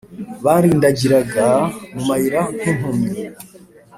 Barindagiraga mu mayira, nk’impumyi;